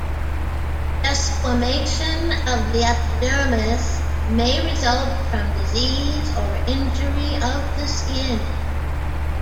Desquamation of the epidermis may result from disease or injury of the skin.